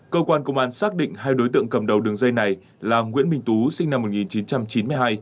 cơ quan công an xác định hai đối tượng cầm đầu đường dây này là nguyễn minh tú sinh năm một nghìn chín trăm chín mươi hai